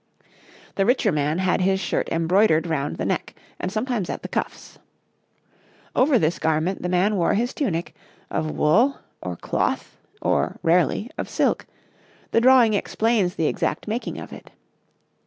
The richer man had his shirt embroidered round the neck and sometimes at the cuffs. Over this garment the man wore his tunic of wool, or cloth, or (rarely) of silk; the drawing explains the exact making of it.